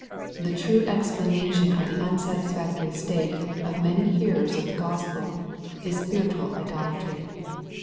The true explanation of the unsatisfactory state of many hearers of the Gospel, is spiritual idolatry.